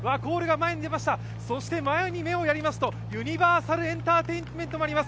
前に目をやりますとユニバーサルエンターテインメントがいます。